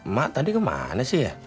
mak tadi kemana sih ya